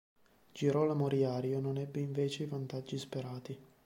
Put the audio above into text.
Girolamo Riario non ebbe invece i vantaggi sperati.